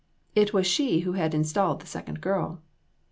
It was she who had installed this second girl.